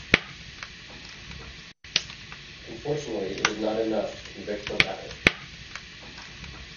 Unfortunately, it is not enough to convict the latter.